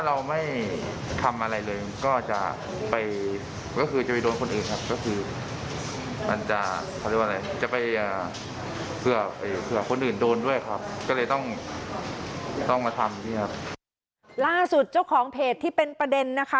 ล่าสุดเจ้าของเพจที่เป็นประเด็นเรื่องเงินและภูมิบาดเจ็บไปหาผลประโยชน์ค่ะ